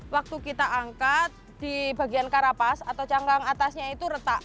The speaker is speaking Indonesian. waktu kita angkat di bagian karapas atau cangkang atasnya itu retak